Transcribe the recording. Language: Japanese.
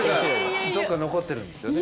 ちょっと残ってるんですよね。